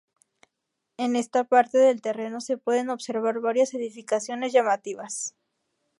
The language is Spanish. En esta parte del terreno se pueden observar varias edificaciones llamativas.